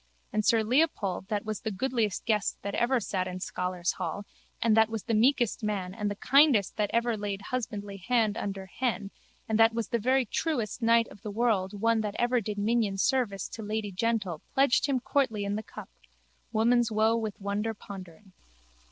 And sir Leopold that was the goodliest guest that ever sat in scholars' hall and that was the meekest man and the kindest that ever laid husbandly hand under hen and that was the very truest knight of the world one that ever did minion service to lady gentle pledged him courtly in the cup. Woman's woe with wonder pondering.